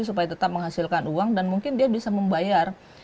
supaya tetap menghasilkan uang dan mungkin dia bisa membayar